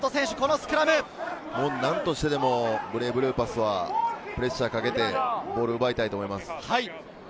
なんとしてでもブレイブルーパスはプレッシャーをかけてボールを奪いたいと思います。